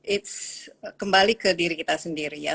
it's kembali ke diri kita sendiri ya